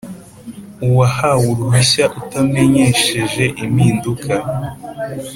Uwahawe uruhushya utamenyesheje impinduka